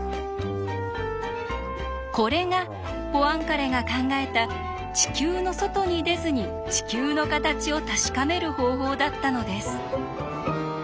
これがポアンカレが考えた地球の外に出ずに地球の形を確かめる方法だったのです。